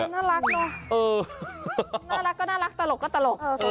น่ารักเนอะน่ารักก็น่ารักตลกก็ตลก